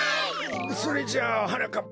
それじゃあはなかっ